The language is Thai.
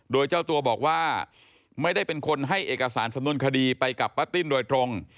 โดยเจ้าตัวบอกว่าไม่ได้เป็นคนให้เอกสารสำนวนคดีไปกับป้าติ้นโดยตรง